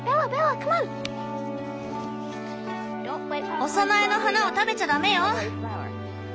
お供えの花を食べちゃダメよ！